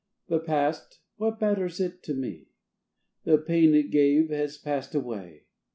The past what matters it to me? The pain it gave has passed away.